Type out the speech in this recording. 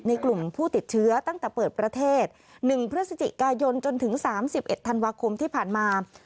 กลุ่มผู้ติดเชื้อตั้งแต่เปิดประเทศ๑พฤศจิกายนจนถึง๓๑ธันวาคมที่ผ่านมา